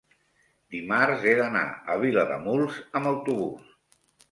dimarts he d'anar a Vilademuls amb autobús.